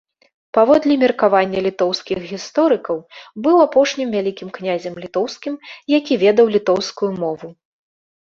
Паводле меркавання літоўскіх гісторыкаў, быў апошнім вялікім князем літоўскім, які ведаў літоўскую мову.